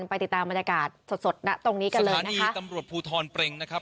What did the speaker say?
ไปติดตามบรรยากาศสดสดณตรงนี้กันเลยสถานีตำรวจภูทรเปรงนะครับ